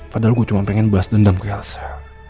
padahal gue cuma pengen balas dendam ke elsa